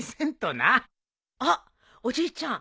あっおじいちゃん。